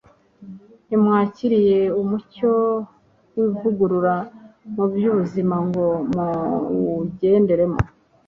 ntimwakiriye umucyo w'ivugurura mu by'ubuzima ngo muwugenderemo